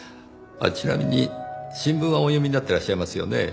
ちなみに新聞はお読みになってらっしゃいますよね？